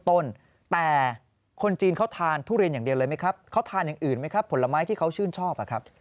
ต้นแต่คนจีนเขาทานทุเรียนอย่างเดียวเลยไหมครับเขาทานอย่างอื่นไหมครับผลไม้ที่เขาชื่นชอบอะครับ